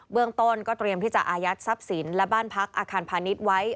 เรื่องต้นก็เตรียมที่จะอายัดทรัพย์สินและบ้านพักอาคารพาณิชย์ไว้